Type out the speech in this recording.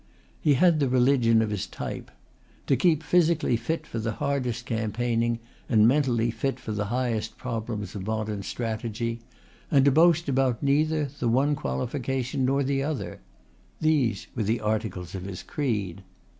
He had the religion of his type. To keep physically fit for the hardest campaigning and mentally fit for the highest problems of modern strategy and to boast about neither the one qualification nor the other these were the articles of his creed.